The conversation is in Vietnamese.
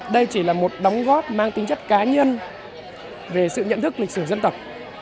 đây chỉ là một đóng góp mang tính chất cá nhân về sự nhận thức lịch sử dân tộc